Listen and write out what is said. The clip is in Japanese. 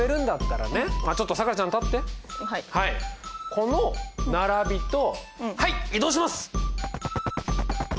この並びとはい移動します！